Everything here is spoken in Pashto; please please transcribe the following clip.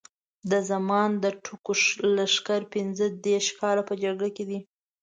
د زمان د ټکو لښکر پینځه دېرش کاله په جګړه کې دی.